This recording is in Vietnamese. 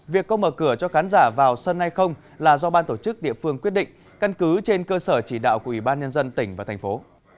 việc có mở cửa cho khán giả vào sân hay không là do ban tổ chức địa phương quyết định căn cứ trên cơ sở chỉ đạo của ủy ban nhân dân tỉnh và thành phố